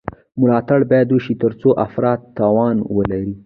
ملاتړ باید وشي ترڅو افراد توان ولري.